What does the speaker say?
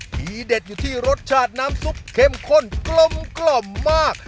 ทีเด็ดอยู่ที่รสชาติน้ำซุปเข้มข้นกลมมาก